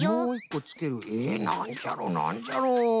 なんじゃろなんじゃろ？